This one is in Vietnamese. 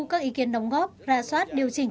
các ý kiến đóng góp ra soát điều chỉnh